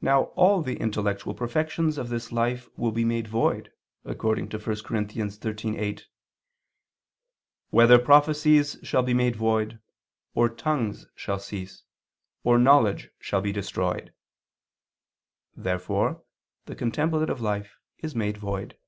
Now all the intellectual perfections of this life will be made void, according to 1 Cor. 13:8, "Whether prophecies shall be made void, or tongues shall cease, or knowledge shall be destroyed." Therefore the contemplative life is made void.